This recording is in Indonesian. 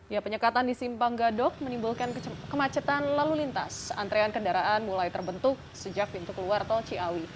ya penyekatan di simpang gadok menimbulkan kemacetan lalu lintas antrean kendaraan mulai terbentuk sejak pintu keluar tol ciawi